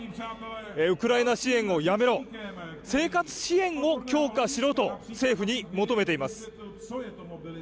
ウクライナ支援をやめろ生活支援を強化しろと政府に求めています。